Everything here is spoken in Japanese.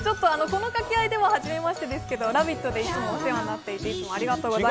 この掛け合いでははじめましてですが「ラヴィット！」でいつもお世話になっていていつもありがとうござ